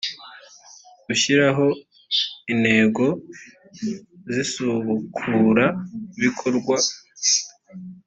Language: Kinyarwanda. gushyiraho intego z isubukurabikorwa